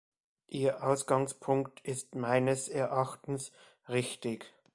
Ihr Ausgangspunkt ist meines Erachtens richtig.